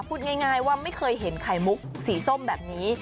พูดง่ายว่าไม่เคยเห็นไข่มุกสีส้มแบบนี้